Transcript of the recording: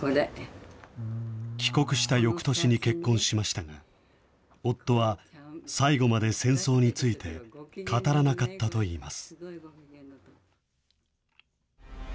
帰国したよくとしに結婚しましたが、夫は最期まで戦争について語らなかったといいます。